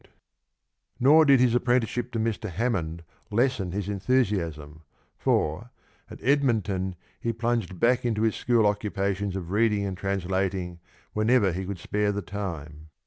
37 Mr. Hammond lessen his enthusiasm, for '"' at Edmonton he plunged back into his school occupations of reading and translating whenever he could spare the time.